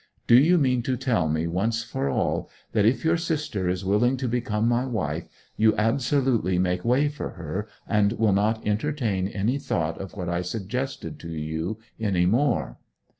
Do you mean to tell me, once for all, that if your sister is willing to become my wife you absolutely make way for her, and will not entertain any thought of what I suggested to you any more?'